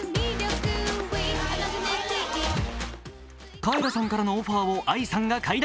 カエラさんからのオファーをＡＩさんが快諾。